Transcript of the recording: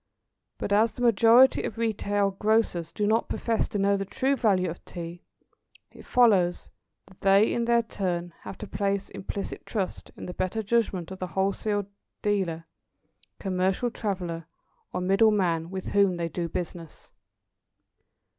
But as the majority of retail grocers do not profess to know the true value of Tea, it follows that they in their turn, have to place implicit trust in the better judgment of the wholesale dealer, commercial traveller, or middle man with whom they do business.